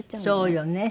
そうよね。